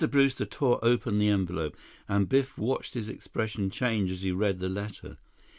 Brewster tore open the envelope, and Biff watched his expression change as he read the letter.